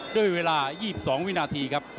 ด้วยเวลา๒๒วินาทีครับ